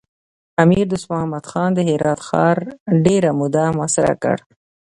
امیر دوست محمد خان د هرات ښار ډېره موده محاصره کړ.